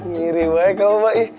ngiri banget kamu bang